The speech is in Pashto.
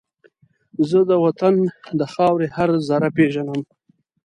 زه د وطن د خاورې هر زره پېژنم